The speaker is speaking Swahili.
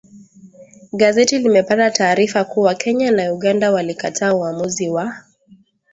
Gazeti limepata taarifa kuwa Kenya na Uganda walikataa uamuzi wa